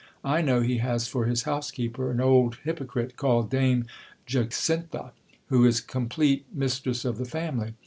I know he has for his housekeeper an old hypocrite, called Dame Jacintha, who is complete mistress of the family.